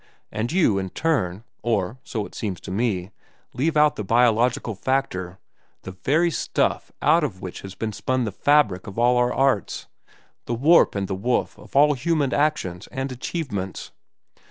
And you, in turn,—or so it seems to me,—leave out the biological factor, the very stuff out of which has been spun the fabric of all the arts, the warp and the woof of all human actions and achievements."